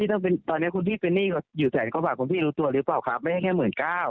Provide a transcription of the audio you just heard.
ตอนนี้คุณพี่เฟนนี่อยู่แสนกว่าบทเลยหรือเปล่าครับแค่หมื่นเก้า